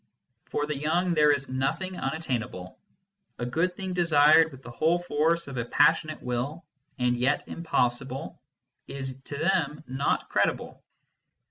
For the young, there is nothing unattainable ; a good thing desired with the whole force of a passionate will, and yet impossible, is to them not credible.